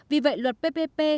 vì vậy luật ppp